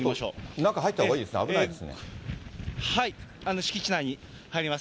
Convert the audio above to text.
中入ったほうがいいですね、敷地内に入ります。